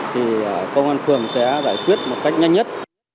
thì công an phường sẽ giải quyết một cách nhanh nhất